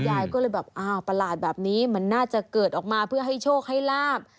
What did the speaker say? ยายก็เลยแบบอ้าวประหลาดแบบนี้มันน่าจะเกิดออกมาเพื่อให้โชคให้ลาบ